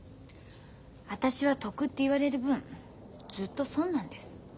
私は得って言われる分ずっと損なんです。